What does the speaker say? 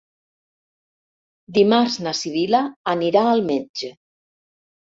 Dimarts na Sibil·la anirà al metge.